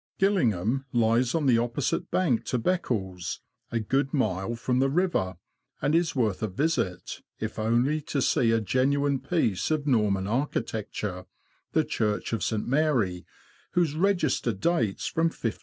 Gillingham lies on the opposite bank to Beccles, a good mile from the river, and is worth a visit, if only to see a genuine piece of Norman architecture, the Church of St. Mary, whose register dates from 1540.